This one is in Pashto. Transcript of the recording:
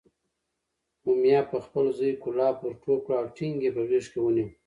امیه پخپل زوی کلاب ورټوپ کړل او ټینګ یې په غېږ کې ونیو.